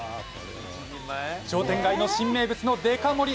商店街の新名物のデカ盛り。